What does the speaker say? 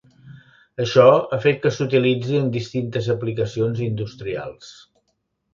Això ha fet que s'utilitzi en distintes aplicacions industrials.